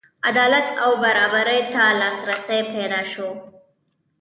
عدالت او برابرۍ ته لاسرسی پیدا شي.